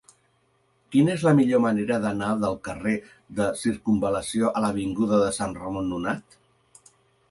Quina és la millor manera d'anar del carrer de Circumval·lació a l'avinguda de Sant Ramon Nonat?